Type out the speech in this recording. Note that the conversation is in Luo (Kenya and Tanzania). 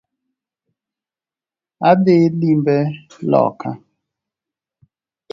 Adhii limbe loka